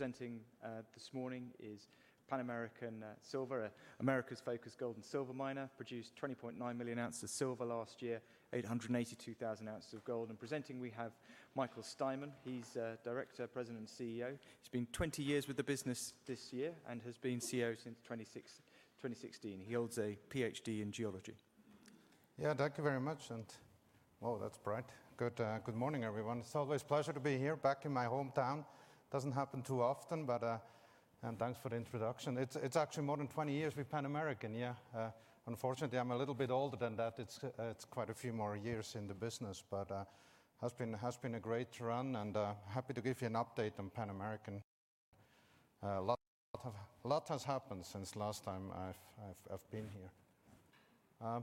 Presenting this morning is Pan American Silver, Americas-focused gold and silver miner. Produced 20.9 million ounces of silver last year, 882,000 ounces of gold. Presenting we have Michael Steinmann. He's Director, President, and CEO. He's been 20 years with the business this year and has been CEO since 2016. He holds a Ph.D. in geology. Yeah, thank you very much. Wow, that's bright. Good morning, everyone. It's always a pleasure to be here, back in my hometown. It doesn't happen too often, but thanks for the introduction. It's actually more than 20 years with Pan American, yeah. Unfortunately, I'm a little bit older than that. It's quite a few more years in the business. But has been a great run. Happy to give you an update on Pan American. A lot has happened since last time I've been here.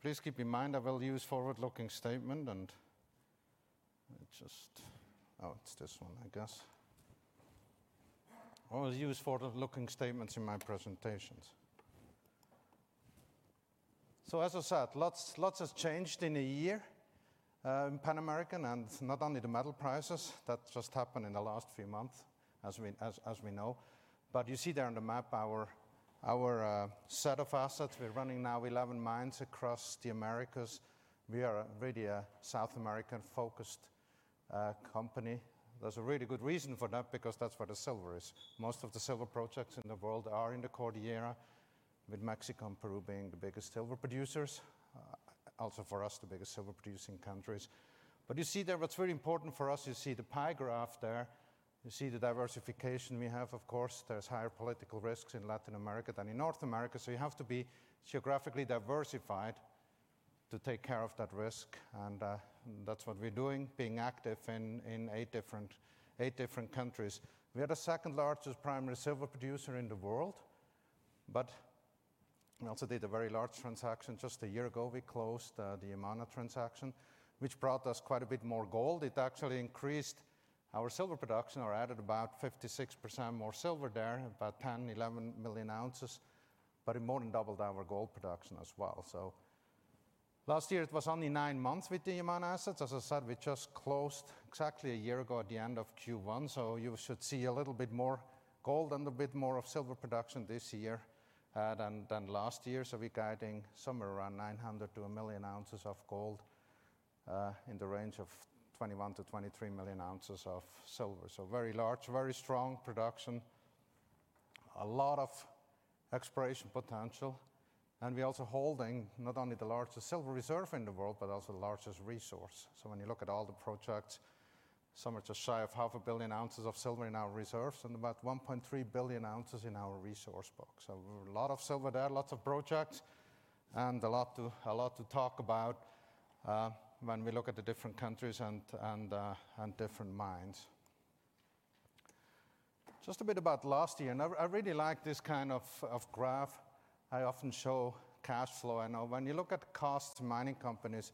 Please keep in mind I will use forward-looking statement and just oh, it's this one, I guess. I will use forward-looking statements in my presentations. So as I said, lots has changed in a year in Pan American. And not only the metal prices. That just happened in the last few months, as we know. But you see there on the map our set of assets. We're running now 11 mines across the Americas. We are really a South American-focused company. There's a really good reason for that, because that's where the silver is. Most of the silver projects in the world are in the Cordillera, with Mexico and Peru being the biggest silver producers, also for us the biggest silver producing countries. But you see there what's really important for us, you see the pie graph there, you see the diversification we have, of course. There's higher political risks in Latin America than in North America. So you have to be geographically diversified to take care of that risk. And that's what we're doing, being active in eight different countries. We are the second largest primary silver producer in the world. But we also did a very large transaction. Just a year ago we closed the Yamana transaction, which brought us quite a bit more gold. It actually increased our silver production, or added about 56% more silver there, about 10 million ounces-11 million ounces. But it more than doubled our gold production as well, so. Last year it was only nine months with the Yamana assets. As I said, we just closed exactly a year ago at the end of Q1. So you should see a little bit more gold and a bit more of silver production this year, than last year. So we're guiding somewhere around 900,000-1 million ounces of gold, in the range of 21 million ounces-23 million ounces of silver. So very large, very strong production. A lot of exploration potential. We're also holding not only the largest silver reserve in the world, but also the largest resource. So when you look at all the projects, some are just shy of 500 million ounces of silver in our reserves and about 1.3 billion ounces in our resource box. So a lot of silver there, lots of projects, and a lot to talk about, when we look at the different countries and different mines. Just a bit about last year. And I really like this kind of graph. I often show cash flow. I know when you look at costs mining companies,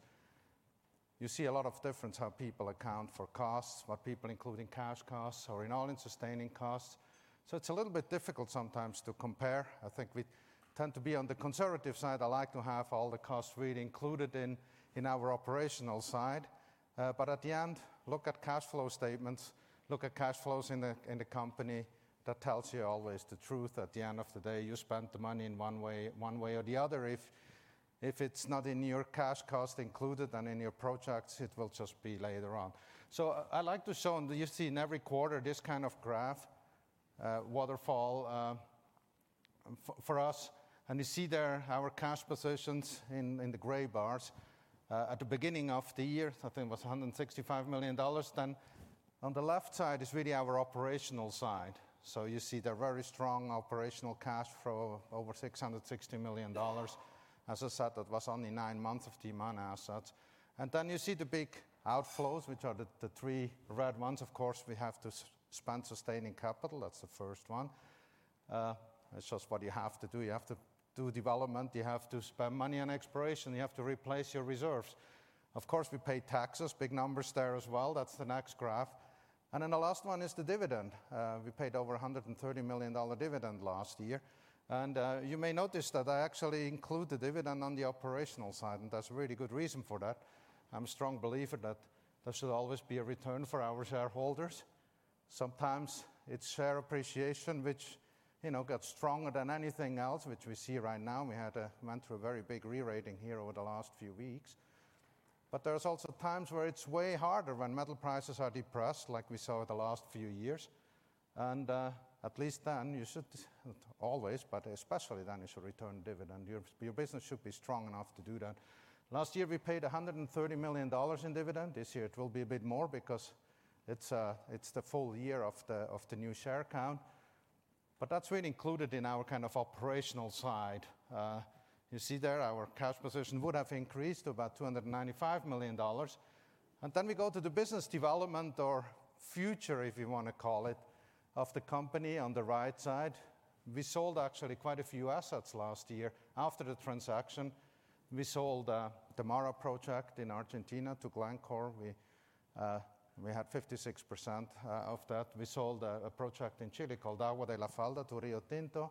you see a lot of difference how people account for costs, what people include in cash costs or in all-in sustaining costs. So it's a little bit difficult sometimes to compare. I think we tend to be on the conservative side. I like to have all the costs really included in our operational side. But at the end, look at cash flow statements, look at cash flows in the company. That tells you always the truth. At the end of the day, you spend the money in one way, one way or the other. If it's not in your cash cost included and in your projects, it will just be later on. So I like to show, and you see in every quarter this kind of graph, waterfall, for us. And you see there our cash positions in the gray bars. At the beginning of the year, I think it was $165 million. Then on the left side is really our operational side. So you see there very strong operational cash flow over $660 million. As I said, that was only nine months of the Yamana assets. And then you see the big outflows, which are the three red ones. Of course, we have to spend sustaining capital. That's the first one. It's just what you have to do. You have to do development. You have to spend money on exploration. You have to replace your reserves. Of course, we pay taxes. Big numbers there as well. That's the next graph. And then the last one is the dividend. We paid over $130 million dividend last year. You may notice that I actually include the dividend on the operational side. There's a really good reason for that. I'm a strong believer that there should always be a return for our shareholders. Sometimes it's share appreciation, which, you know, gets stronger than anything else, which we see right now. We went through a very big rerating here over the last few weeks. But there's also times where it's way harder when metal prices are depressed, like we saw in the last few years. And, at least then you should always, but especially then you should return dividend. Your, your business should be strong enough to do that. Last year we paid $130 million in dividend. This year it will be a bit more because it's the full year of the new share count. But that's really included in our kind of operational side. You see there our cash position would have increased to about $295 million. Then we go to the business development or future, if you want to call it, of the company on the right side. We sold actually quite a few assets last year after the transaction. We sold the MARA project in Argentina to Glencore. We had 56% of that. We sold a project in Chile called Agua de la Falda to Rio Tinto.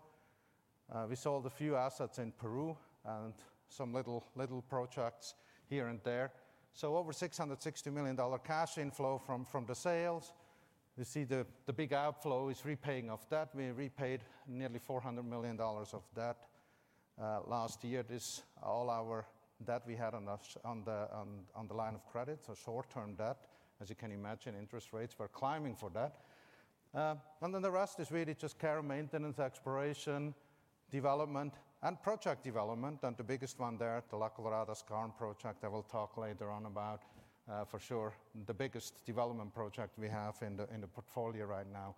We sold a few assets in Peru and some little projects here and there. So over $660 million cash inflow from the sales. You see the big outflow is repaying off debt. We repaid nearly $400 million of debt last year. This is all our debt we had on us on the line of credit, so short-term debt. As you can imagine, interest rates were climbing for that. And then the rest is really just care and maintenance, exploration, development, and project development. And the biggest one there, the La Colorada Skarn project I will talk later on about, for sure, the biggest development project we have in the portfolio right now.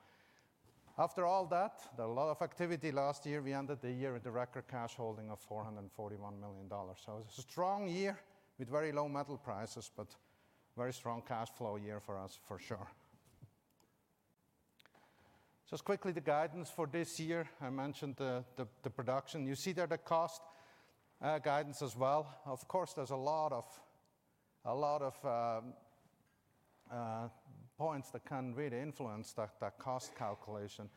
After all that, there are a lot of activity last year. We ended the year with a record cash holding of $441 million. So it was a strong year with very low metal prices, but very strong cash flow year for us, for sure. Just quickly the guidance for this year. I mentioned the production. You see there the cost guidance as well. Of course, there's a lot of points that can really influence that cost calculation.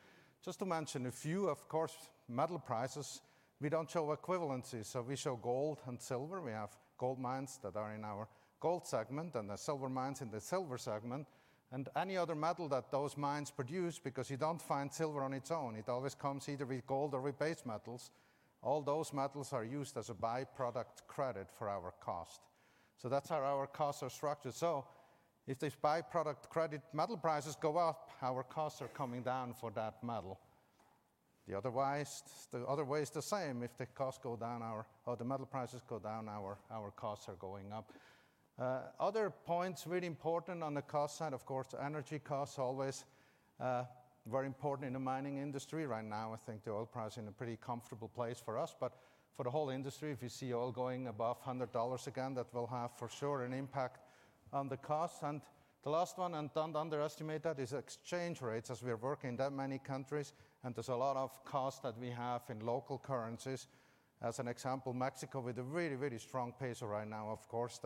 Just to mention a few, of course, metal prices. We don't show equivalencies. So we show gold and silver. We have gold mines that are in our gold segment and the silver mines in the silver segment. And any other metal that those mines produce, because you don't find silver on its own, it always comes either with gold or with base metals. All those metals are used as a byproduct credit for our cost. So that's how our costs are structured. So if these byproduct credit metal prices go up, our costs are coming down for that metal. Otherwise, the other way is the same. If the costs go down, or the metal prices go down, our costs are going up. Other points really important on the cost side, of course, energy costs always very important in the mining industry right now. I think the oil price is in a pretty comfortable place for us. But for the whole industry, if you see oil going above $100 again, that will have for sure an impact on the costs. And the last one, and don't underestimate that, is exchange rates as we are working in that many countries. And there's a lot of costs that we have in local currencies. As an example, Mexico with a really, really strong peso right now, of course,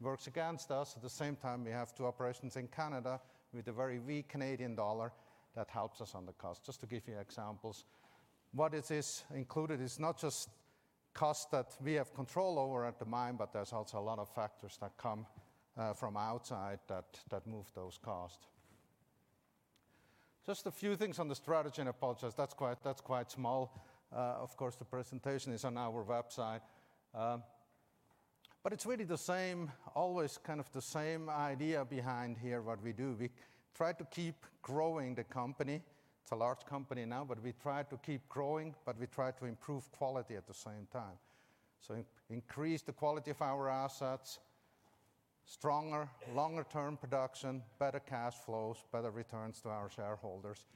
that works against us. At the same time, we have two operations in Canada with a very weak Canadian dollar that helps us on the costs. Just to give you examples, what is included is not just costs that we have control over at the mine, but there's also a lot of factors that come from outside that move those costs. Just a few things on the strategy. And apologies, that's quite small. Of course, the presentation is on our website. But it's really the same, always kind of the same idea behind here what we do. We try to keep growing the company. It's a large company now, but we try to keep growing, but we try to improve quality at the same time. So, increase the quality of our assets, stronger, longer-term production, better cash flows, better returns to our shareholders.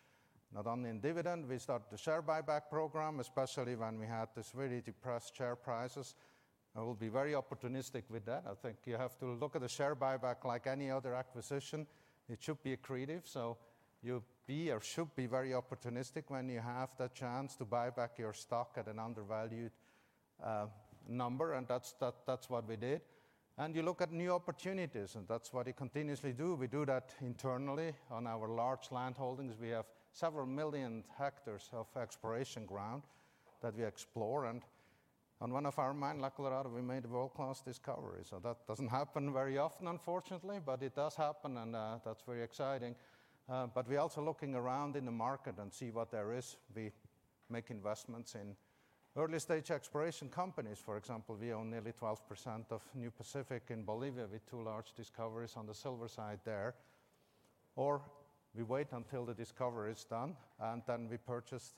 Not only in dividend, we start the share buyback program, especially when we had this really depressed share prices. I will be very opportunistic with that. I think you have to look at the share buyback like any other acquisition. It should be accretive. So you be or should be very opportunistic when you have that chance to buy back your stock at an undervalued number. And that's, that's, that's what we did. And you look at new opportunities. And that's what we continuously do. We do that internally on our large land holdings. We have several million hectares of exploration ground that we explore. And on one of our mines, La Colorada, we made a world-class discovery. So that doesn't happen very often, unfortunately, but it does happen. That's very exciting. But we're also looking around in the market and see what there is. We make investments in early-stage exploration companies. For example, we own nearly 12% of New Pacific in Bolivia with two large discoveries on the silver side there. Or we wait until the discovery is done, and then we purchased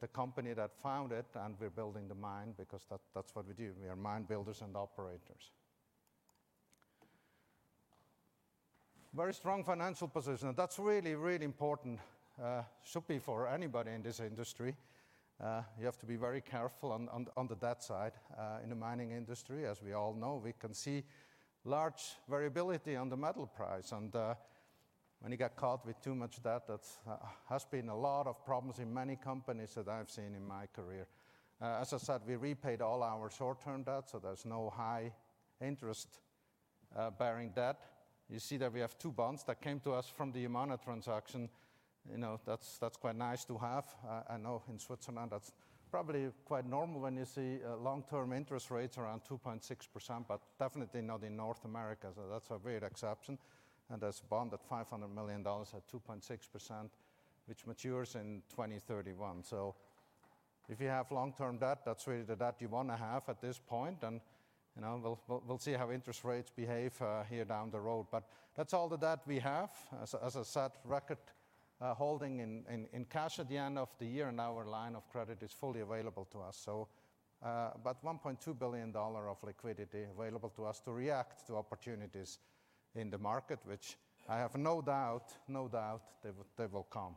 the company that found it, and we're building the mine because that's what we do. We are mine builders and operators. Very strong financial position. And that's really, really important, should be for anybody in this industry. You have to be very careful on the debt side, in the mining industry. As we all know, we can see large variability on the metal price. And when you get caught with too much debt, that's been a lot of problems in many companies that I've seen in my career. As I said, we repaid all our short-term debt, so there's no high-interest-bearing debt. You see there we have two bonds that came to us from the Yamana transaction. You know, that's quite nice to have. I know in Switzerland that's probably quite normal when you see long-term interest rates around 2.6%, but definitely not in North America. So that's a weird exception. And there's a bond at $500 million at 2.6%, which matures in 2031. So if you have long-term debt, that's really the debt you want to have at this point. And, you know, we'll see how interest rates behave here down the road. But that's all the debt we have. As I said, record holdings in cash at the end of the year, and our line of credit is fully available to us. So, but $1.2 billion of liquidity available to us to react to opportunities in the market, which I have no doubt, no doubt they will, they will come.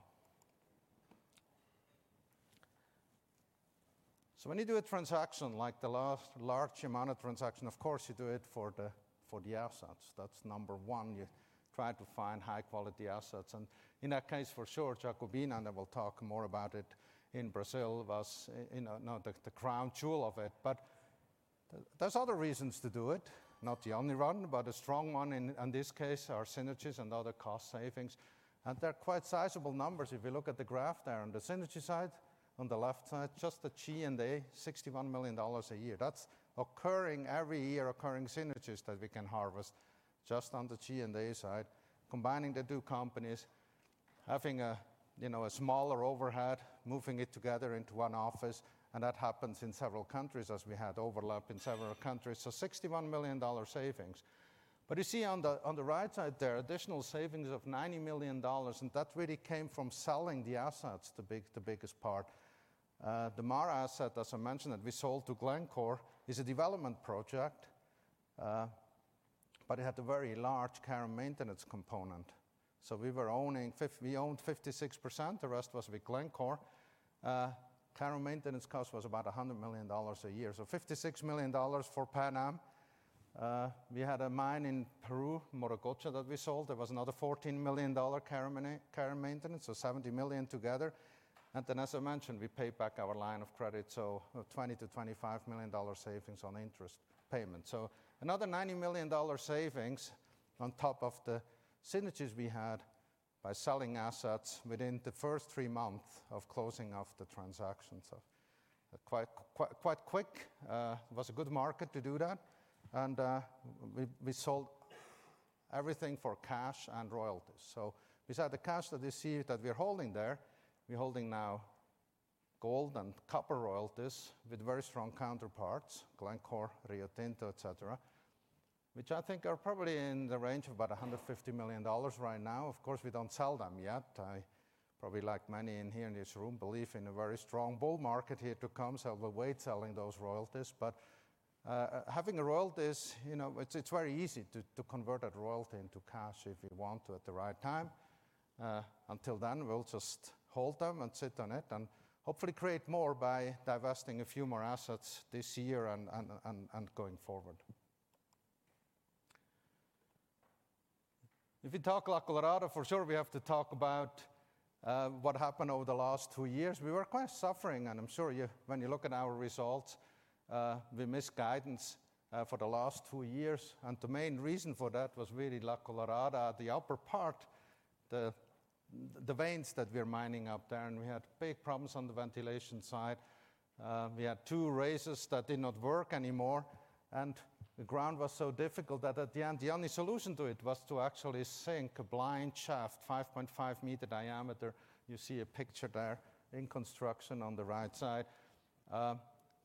So when you do a transaction like the last large Yamana transaction, of course you do it for the, for the assets. That's number one. You try to find high-quality assets. And in that case, for sure, Jacobina in Brazil was, you know, the crown jewel of it. But there's other reasons to do it, not the only one, but a strong one in this case are synergies and other cost savings. And they're quite sizable numbers if you look at the graph there on the synergy side. On the left side, just the G&A, $61 million a year. That's occurring every year, occurring synergies that we can harvest just on the G&A side, combining the two companies, having a, you know, a smaller overhead, moving it together into one office. And that happens in several countries as we had overlap in several countries. So $61 million savings. But you see on the, on the right side there, additional savings of $90 million. And that really came from selling the assets, the big, the biggest part. The MARA asset, as I mentioned, that we sold to Glencore is a development project. But it had a very large care and maintenance component. So we were owning, we owned 56%. The rest was with Glencore. Care and maintenance cost was about $100 million a year. So $56 million for Pan Am. We had a mine in Peru, Morococha that we sold. There was another $14 million care and maintenance, so $70 million together. Then, as I mentioned, we paid back our line of credit, so $20 million-$25 million savings on interest payments. So another $90 million savings on top of the synergies we had by selling assets within the first three months of closing off the transactions. So quite, quite, quite quick. It was a good market to do that. And we sold everything for cash and royalties. So beside the cash that you see that we're holding there, we're holding now gold and copper royalties with very strong counterparts, Glencore, Rio Tinto, etc., which I think are probably in the range of about $150 million right now. Of course, we don't sell them yet. I probably like many in here in this room believe in a very strong bull market here to come. So we'll wait selling those royalties. But, having a royalty, you know, it's very easy to convert that royalty into cash if you want to at the right time. Until then, we'll just hold them and sit on it and hopefully create more by divesting a few more assets this year and going forward. If we talk La Colorada, for sure we have to talk about what happened over the last two years. We were quite suffering. And I'm sure you, when you look at our results, we missed guidance for the last two years. And the main reason for that was really La Colorada, the upper part, the veins that we're mining up there. And we had big problems on the ventilation side. We had two raises that did not work anymore. The ground was so difficult that at the end, the only solution to it was to actually sink a blind shaft, 5.5 m diameter. You see a picture there in construction on the right side.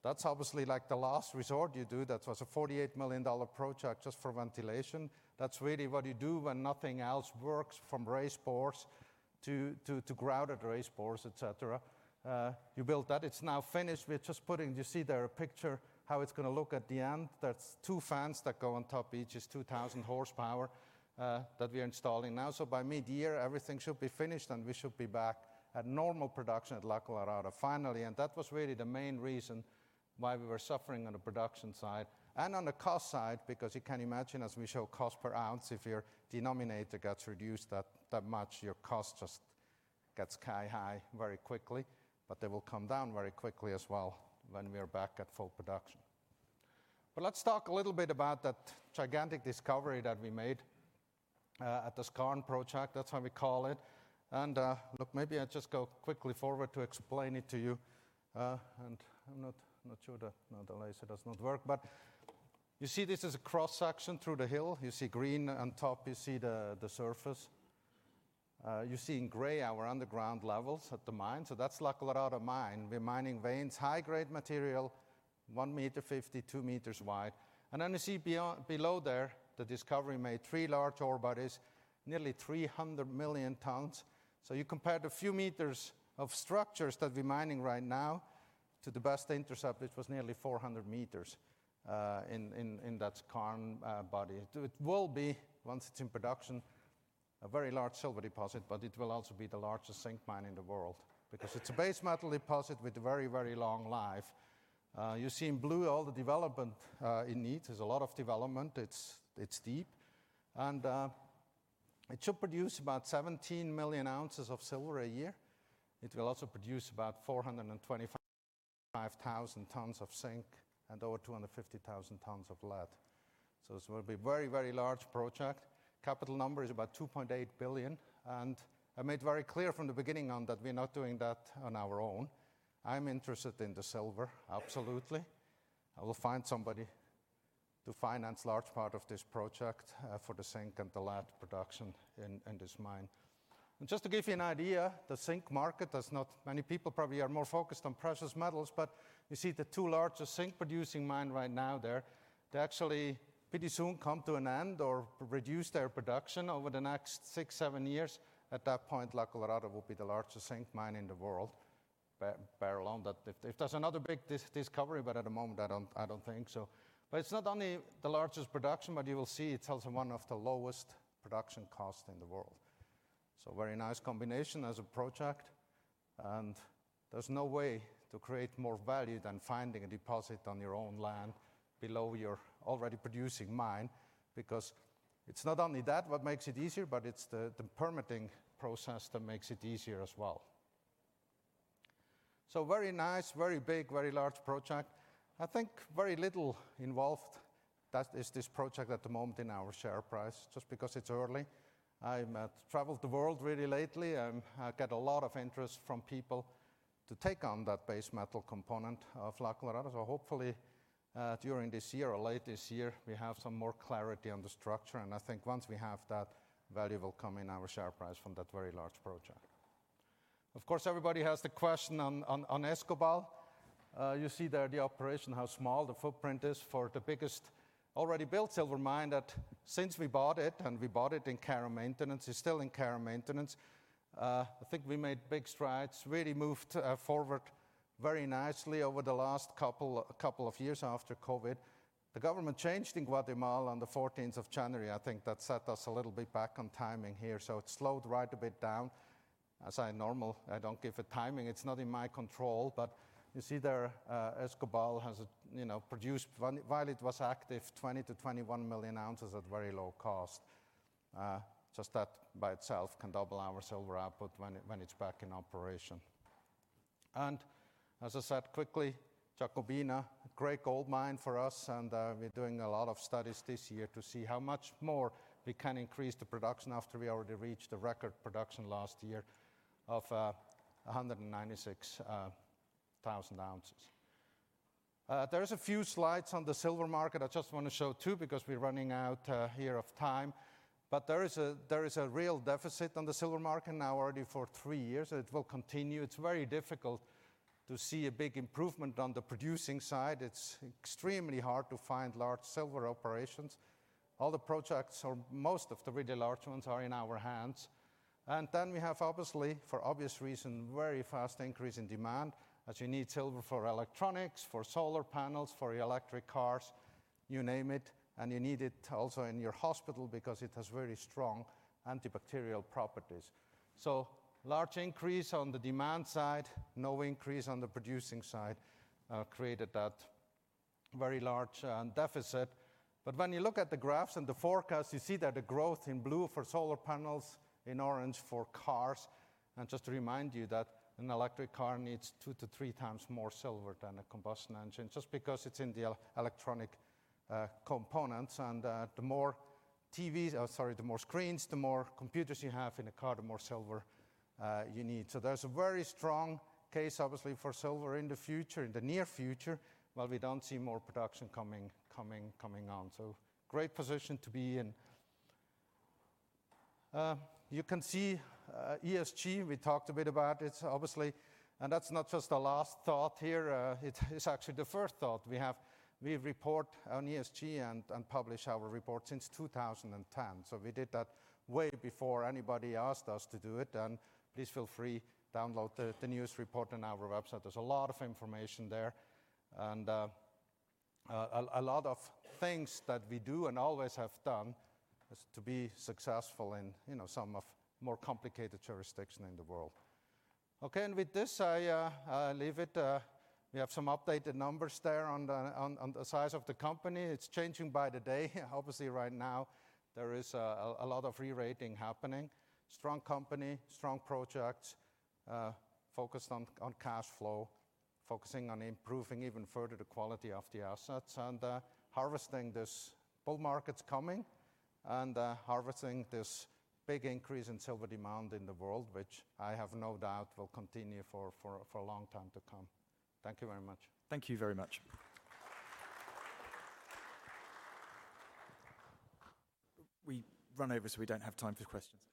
That's obviously like the last resort you do. That was a $48 million project just for ventilation. That's really what you do when nothing else works, from raise bores to grouted raise bores, etc. You built that. It's now finished. We're just putting, you see there a picture how it's going to look at the end. That's two fans that go on top each. It's 2,000 horsepower that we are installing now. So by mid-year, everything should be finished and we should be back at normal production at La Colorada finally. That was really the main reason why we were suffering on the production side and on the cost side, because you can imagine as we show cost per ounce, if your denominator gets reduced that much, your cost just gets sky high very quickly. But they will come down very quickly as well when we are back at full production. But let's talk a little bit about that gigantic discovery that we made at the Skarn project. That's how we call it. And look, maybe I just go quickly forward to explain it to you. And I'm not sure that the laser works. But you see this is a cross-section through the hill. You see green on top. You see the surface. You see in gray our underground levels at the mine. So that's La Colorada mine. We're mining veins, high-grade material, 1.50 m, 2 m wide. Then you see beyond, below there, the discovery made three large ore bodies, nearly 300 million tons. So you compare the few m of structures that we're mining right now to the best intercept, which was nearly 400 m in that skarn body. It will be, once it's in production, a very large silver deposit, but it will also be the largest zinc mine in the world because it's a base metal deposit with a very, very long life. You see in blue all the development it needs. There's a lot of development. It's deep. It should produce about 17 million ounces of silver a year. It will also produce about 425,000 tons of zinc and over 250,000 tons of lead. So it will be a very, very large project. Capital number is about $2.8 billion. I made very clear from the beginning on that we're not doing that on our own. I'm interested in the silver, absolutely. I will find somebody to finance a large part of this project for the zinc and the lead production in this mine. Just to give you an idea, the zinc market does not, many people probably are more focused on precious metals, but you see the two largest zinc producing mines right now there, they actually pretty soon come to an end or reduce their production over the next six-seven years. At that point, La Colorada will be the largest zinc mine in the world, bar none. If there's another big discovery, but at the moment, I don't, I don't think so. But it's not only the largest production, but you will see it's also one of the lowest production costs in the world. So very nice combination as a project. And there's no way to create more value than finding a deposit on your own land below your already producing mine because it's not only that what makes it easier, but it's the permitting process that makes it easier as well. So very nice, very big, very large project. I think very little involved that is this project at the moment in our share price just because it's early. I've traveled the world really lately. I get a lot of interest from people to take on that base metal component of La Colorada. So hopefully, during this year or late this year, we have some more clarity on the structure. And I think once we have that value, it will come in our share price from that very large project. Of course, everybody has the question on Escobal. You see there the operation, how small the footprint is for the biggest already built silver mine that since we bought it, and we bought it in care and maintenance, it's still in care and maintenance. I think we made big strides, really moved forward very nicely over the last couple of years after COVID. The government changed in Guatemala on the 14th of January. I think that set us a little bit back on timing here. So it slowed right a bit down. As is normal, I don't give it timing. It's not in my control. But you see there, Escobal has produced, while it was active, 20 million ounces-21 million ounces at very low cost. Just that by itself can double our silver output when it's back in operation. As I said quickly, Jacobina, a great gold mine for us. We're doing a lot of studies this year to see how much more we can increase the production after we already reached the record production last year of 196,000 ounces. There are a few slides on the silver market. I just want to show two because we're running out of time. There is a real deficit on the silver market now already for three years. It will continue. It's very difficult to see a big improvement on the producing side. It's extremely hard to find large silver operations. All the projects, or most of the really large ones, are in our hands. And then we have, obviously, for obvious reasons, a very fast increase in demand as you need silver for electronics, for solar panels, for electric cars, you name it. And you need it also in your hospital because it has very strong antibacterial properties. So large increase on the demand side, no increase on the producing side, created that very large deficit. But when you look at the graphs and the forecast, you see there the growth in blue for solar panels, in orange for cars. And just to remind you that an electric car needs two to three times more silver than a combustion engine just because it's in the electronic components. And the more TVs, sorry, the more screens, the more computers you have in a car, the more silver you need. So there's a very strong case, obviously, for silver in the future, in the near future, while we don't see more production coming on. So great position to be in. You can see ESG. We talked a bit about it, obviously. And that's not just the last thought here. It's actually the first thought. We have, we report on ESG and publish our report since 2010. So we did that way before anybody asked us to do it. And please feel free to download the news report on our website. There's a lot of information there and a lot of things that we do and always have done to be successful in some of the more complicated jurisdictions in the world. Okay, and with this, I leave it. We have some updated numbers there on the size of the company. It's changing by the day. Obviously, right now, there is a lot of rerating happening. Strong company, strong projects, focused on cash flow, focusing on improving even further the quality of the assets and harvesting this bull market's coming and harvesting this big increase in silver demand in the world, which I have no doubt will continue for a long time to come. Thank you very much. Thank you very much. We run over, so we don't have time for questions.